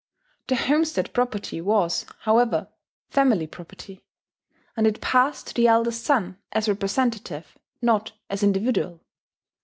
The homestead property was, however, family property; and it passed to the eldest son as representative, not as individual.